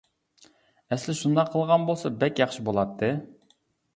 ئەسلى شۇنداق قىلغان بولسا بەك ياخشى بولاتتى.